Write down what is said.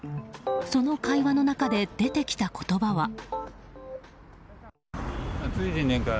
その会話の中で出てきた言葉は。